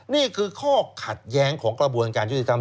นี่คือข้อขัดแย้งของกระบวนการยุติธรรม